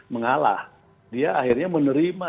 mengalah dia akhirnya menerima